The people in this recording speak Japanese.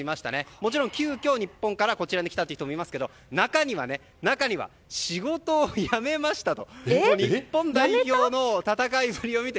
もちろん急きょ日本からこちらに来た方もいますが中には仕事を辞めましたと。